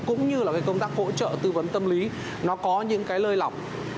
cũng như là cái công tác hỗ trợ tư vấn tâm lý nó có những cái lơi lỏng